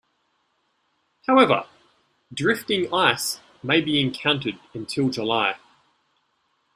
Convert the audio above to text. However, drifting ice may be encountered until July.